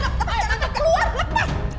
tante keluar lepas